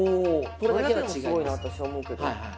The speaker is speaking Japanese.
それだけでもすごいなって私思うけど。